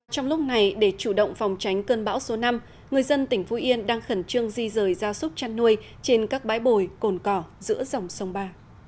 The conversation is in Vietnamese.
trong lúc này để chủ động phòng tránh cơn bão số năm người dân tỉnh phú yên đang khẩn trương di rời ra súc chăn nuôi trên các bãi bồi cồn cỏ giữa dòng sông ba